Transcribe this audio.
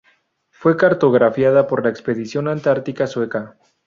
Fue cartografiada por la Expedición Antártica Sueca.